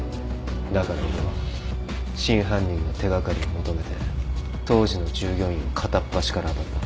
だから俺は真犯人の手掛かりを求めて当時の従業員を片っ端から当たった。